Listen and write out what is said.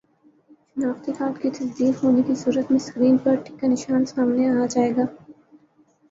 شناختی کارڈ کی تصدیق ہونے کی صورت میں سکرین پر ٹک کا نشان سامنے آ جائے گا